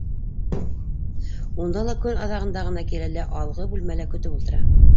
Унда ла көн аҙағында ғына килә лә алғы бүлмәлә көтөп ултыра.